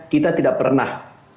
kita tidak pernah